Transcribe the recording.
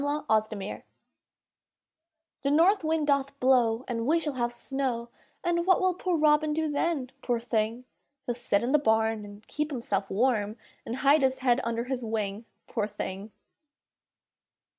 POOR ROBIN The north wind doth blow, And we shall have snow, And what will poor Robin do then, poor thing? He'll sit in the barn, And keep himself warm, And hide his head under his wing, poor thing!